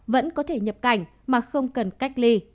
vẫn có thể nhập cảnh mà không cần cách ly